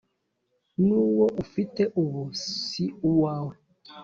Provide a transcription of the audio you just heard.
n’uwo ufite ubu si uwawe